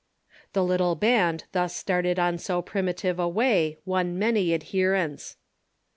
The little band thus started on so primitive a way Avon many adherents.